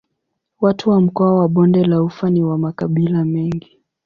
Watu wa mkoa wa Bonde la Ufa ni wa makabila mengi.